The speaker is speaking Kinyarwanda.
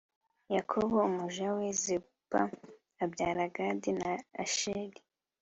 Yakobo umuja we Zilupa abyara Gadi na Asheri